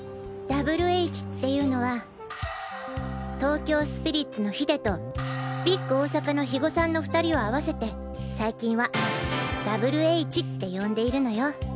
「ダブルＨ」っていうのは東京スピリッツのヒデとビッグ大阪のヒゴさんの２人を合わせて最近は「ダブルＨ」って呼んでいるのよ。